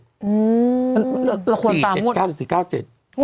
อืมหลักหัวตามสี่เก้าเจ็ด